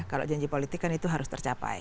kalau janji politik kan itu harus tercapai